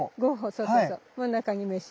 そうそうそう真ん中にめしべ。